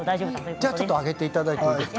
上げていただいていいですか。